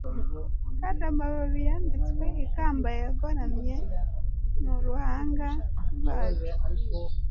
kandi amababi yambitswe ikamba yagoramye mu ruhanga rwacu